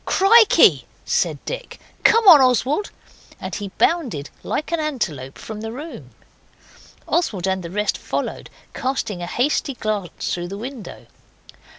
'Krikey!' said Dick, 'come on, Oswald!' and he bounded like an antelope from the room. Oswald and the rest followed, casting a hasty glance through the window.